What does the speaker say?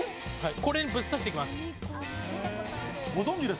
これに、ぶっ刺していきます。